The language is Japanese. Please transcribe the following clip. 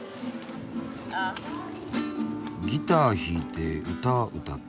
ギター弾いて歌歌って。